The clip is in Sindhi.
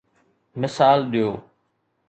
مثال ڏيو.